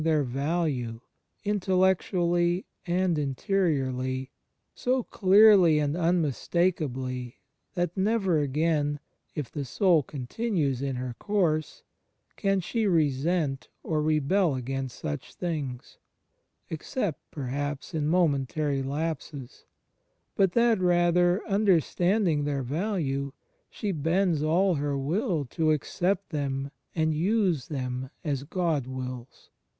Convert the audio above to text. zii : 7 9. 36 THE FRIENDSHIP OF CHRIST value, intellectually and interiorly, so clearly and im mistakably that never again, if the soul continues in her course, can she resent or rebel against such things — except perhaps in momentary lapses — but that rather, understanding their value, she bends all her will to accept them and use them as God wills.